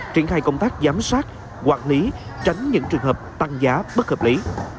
triển khai công tác giám sát quản lý tránh những trường hợp tăng giá bất hợp lý